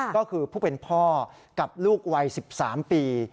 ก็คือผู้เป็นพ่อกับลูกวัย๑๓ปี